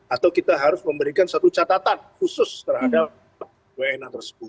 atau kita harus memberikan satu catatan khusus terhadap wna tersebut